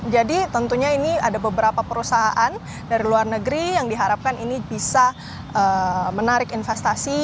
jadi tentunya ini ada beberapa perusahaan dari luar negeri yang diharapkan ini bisa menarik investasi